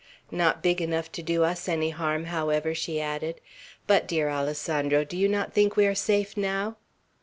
"Not big enough to do us any harm, however," she added. "But, dear Alessandro, do you not think we are safe now?"